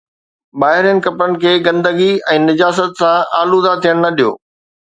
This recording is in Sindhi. ٻاهرين ڪپڙن کي گندگي ۽ نجاست سان آلوده ٿيڻ نه ڏيو.